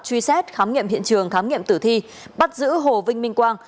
truy xét khám nghiệm hiện trường khám nghiệm tử thi bắt giữ hồ vinh minh quang